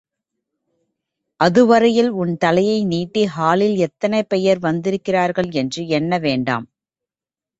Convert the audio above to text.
அதுவரையில் உன் தலையை நீட்டி ஹாலில் எத்தனை பெயர் வந்திருக்கிறர்கள் என்று எண்ண வேண்டாம்!